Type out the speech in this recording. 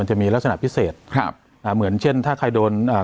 จะมีลักษณะพิเศษครับอ่าเหมือนเช่นถ้าใครโดนอ่า